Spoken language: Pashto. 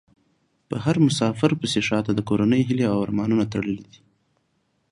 په هر مسافر پسې شا ته د کورنۍ هيلې او ارمانونه تړلي دي .